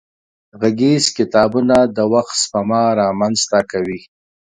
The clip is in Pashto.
غږيز کتابونه د وخت سپما را منځ ته کوي.